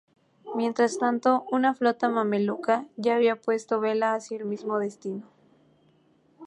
Mientras tanto, una flota mameluca ya había puesto vela hacia el mismo destino.